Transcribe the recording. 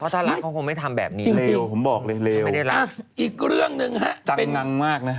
จังงัง